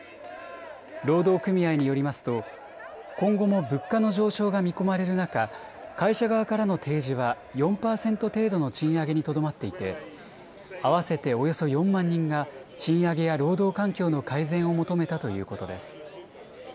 労働組合によりますと今後も物価の上昇が見込まれる中、会社側からの提示は４％程度の賃上げにとどまっていて合わせておよそ４万人が賃上げや労働環境の改善を求めたということです。